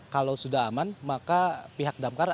kalau sudah aman maka pihak damkar